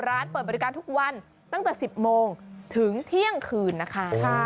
ร้านเปิดบริการทุกวันตั้งแต่๑๐โมงถึงเที่ยงคืนนะคะ